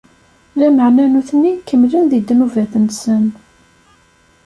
Lameɛna nutni kemmlen di ddnubat-nsen.